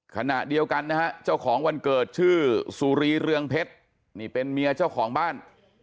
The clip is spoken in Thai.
ขณะเดียวกันนะฮะเจ้าของวันเกิดชื่อสุรีเรืองเพชรนี่เป็นเมียเจ้าของบ้าน